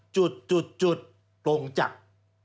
จุดลงจักร